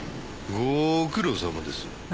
ご苦労さまです。